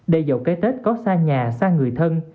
đây dậu cái tết có xa nhà xa người thân